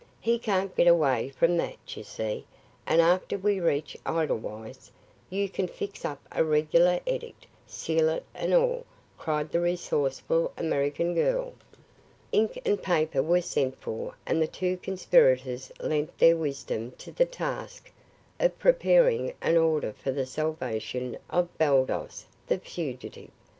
He can't get away from that, you see, and after we reach Edelweiss, you can fix up a regular edict, seal and all," cried the resourceful American girl. Ink and paper were sent for and the two conspirators lent their wisdom to the task of preparing an order for the salvation of Baldos, the fugitive.